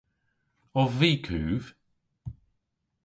Ov vy kuv?